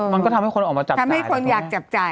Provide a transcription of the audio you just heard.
มันก็ทำให้ผู้คนออกมาจับจ่าย